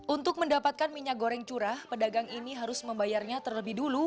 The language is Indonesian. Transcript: untuk mendapatkan minyak goreng curah pedagang ini harus membayarnya terlebih dulu